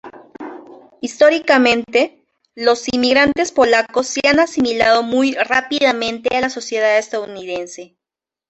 Históricamente, loa inmigrantes polacos se han asimilado muy rápidamente a la sociedad estadounidense.